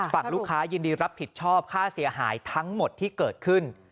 ฝั่งลูกค้ายินดีรับผิดชอบค่าเสียหายทั้งหมดที่เกิดขึ้น